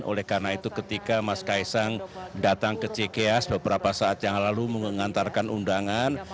oleh karena itu ketika mas kaisang datang ke cks beberapa saat yang lalu mengantarkan undangan